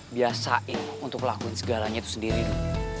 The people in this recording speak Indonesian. biasain untuk lakuin segalanya itu sendiri dulu